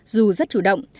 dù rất chủ động